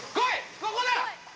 ここだ！